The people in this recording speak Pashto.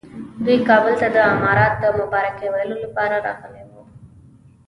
دوی کابل ته د امارت د مبارکۍ ویلو لپاره راغلي وو.